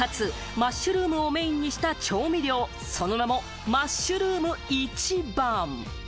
マッシュルームをメーンにした調味料、その名もマッシュルームイチバン。